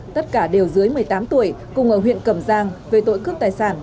tất cả đều dưới một mươi tám tuổi cùng ở huyện cẩm giang về tội cướp tài sản